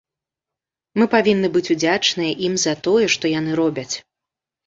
Мы павінны быць удзячныя ім за тое, што яны робяць.